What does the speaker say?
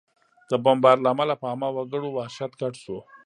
د بمبار له امله په عامه وګړو وحشت ګډ شو